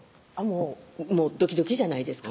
もうドキドキじゃないですか